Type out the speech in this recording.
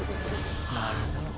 「なるほど」